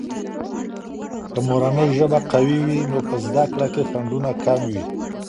که مورنۍ ژبه قوية وي، نو په زده کړه کې خنډونه کم وي.